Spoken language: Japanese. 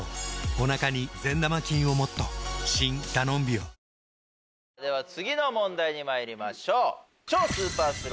ぷっ事実「特茶」では次の問題にまいりましょう。